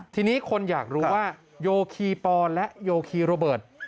ทีนี้คนอยากรู้ว่าโยคีปอและโยคีโรเบิร์ต